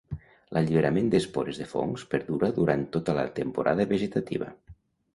L'alliberament d'espores de fongs perdura durant tota la temporada vegetativa.